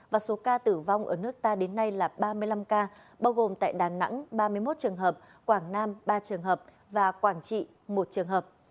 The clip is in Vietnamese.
và số ca tử vong ở nước ta đến nay là ba mươi năm ca bao gồm tại đà nẵng ba mươi một trường hợp quảng nam ba trường hợp và quảng trị một trường hợp